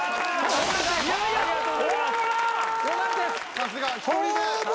さすが１人目。